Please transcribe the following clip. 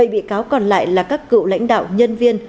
bảy bị cáo còn lại là các cựu lãnh đạo nhân viên